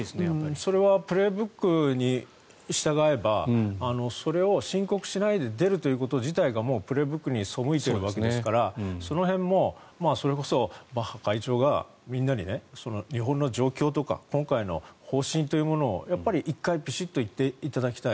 それは「プレーブック」に従えばそれを申告しないで出るということ自体がもう「プレーブック」に背いているわけですからその辺も、それこそバッハ会長がみんなに日本の状況とか今回の方針というものを１回ビシッと言っていただきたい。